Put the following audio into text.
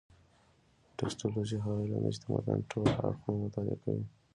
ټکسټولوجي هغه علم دﺉ، چي د متن ټول اړخونه مطالعه کوي.